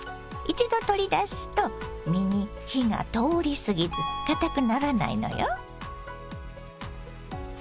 一度取り出すと身に火が通り過ぎずかたくならないのよ。